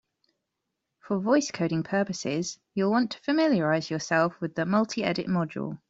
For voice coding purposes, you'll want to familiarize yourself with the multiedit module.